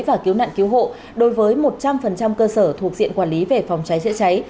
và cứu nạn cứu hộ đối với một trăm linh cơ sở thuộc diện quản lý về phòng cháy chữa cháy